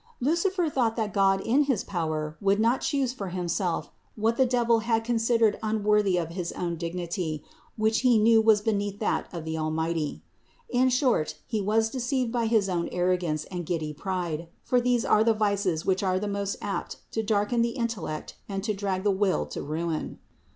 Lucifer thought that God in his power would not choose for Himself what the devil had considered unworthy of his own dignity, which he knew was beneath that of the Almighty. In short, he was deceived by his own arro gance and giddy pride, for these are the vices which are most apt to darken the intellect and to drag the will to ruin.